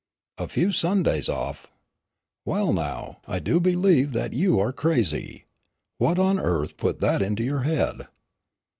"A few Sundays off! Well, now, I do believe that you are crazy. What on earth put that into your head?"